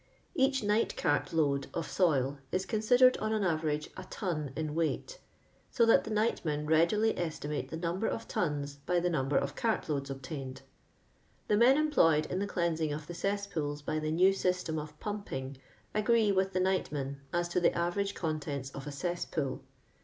Each night cart load of soil is considered, on an average, a ton in weight, so that the nightmen readily estimate the num ber of tons by the number of cart loads obtained* The men employed in the cleansing of the cess pools by the new system of pumping agree with the nightmen as to the average contents of a cesspool.